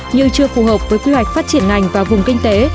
như chưa phù hợp với kế hoạch phát triển ngành và vùng kinh tế